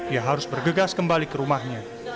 ia harus bergegas kembali ke rumahnya